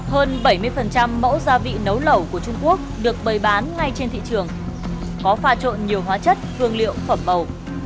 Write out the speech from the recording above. hơn bảy mươi mẫu gia vị nấu lẩu của trung quốc được bày bán ngay trên thị trường có pha trộn nhiều hóa chất hương liệu phẩm màu